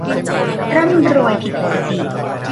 ร่ำรวยผิดปกติ